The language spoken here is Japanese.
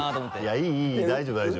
いやいい大丈夫大丈夫。